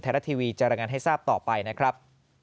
แทรกทีวีจาระงานให้ทราบต่อไปนะครับ